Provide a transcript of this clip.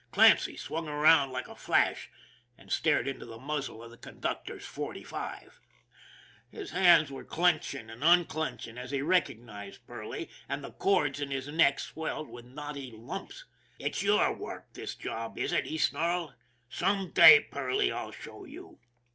Clancy swung around like a flash and stared into the muzzle of the conductor's .45. His hands were clenching and unclenching as he recognized Perley, and the cords in his neck swelled into knotty lumps, " Ut's your worrk, this job, is ut ?" he snarled. " Some day, Perley, I'll show you."